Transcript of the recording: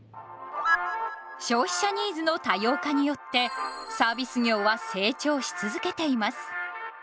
消費者ニーズの多様化によってサービス業は成長し続けています。